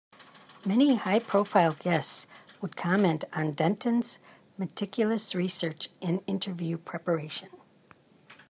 Many high-profile guests would comment on Denton's meticulous research in interview preparation.